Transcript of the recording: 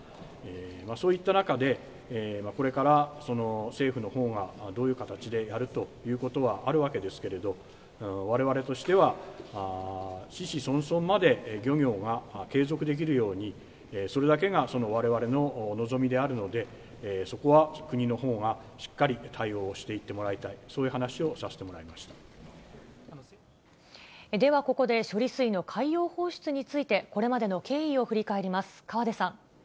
そういった中で、これから政府のほうがどういう形でやるということはあるわけですけれど、われわれとしては子々孫々まで、漁業が継続できるように、それだけがわれわれの望みであるので、そこは国のほうがしっかり対応していってもらいたい、そういう話では、ここで処理水の海洋放出について、これまでの経緯を振り返ります。